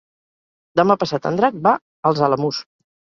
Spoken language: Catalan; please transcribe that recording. Demà passat en Drac va als Alamús.